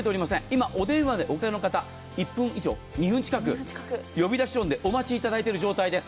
今、お電話をおかけの方１分以上２分近く呼び出し音でお待ちいただいている状態です。